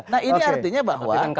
nah ini artinya bahwa